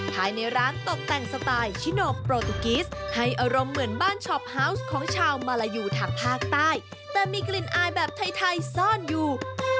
ภายในร้านตกแต่งสไตล์ชิโนโปรตุกิสให้อารมณ์เหมือนบ้านช็อปฮาวส์ของชาวมาลายูทางภาคใต้แต่มีกลิ่นอายแบบไทยซ่อนอยู่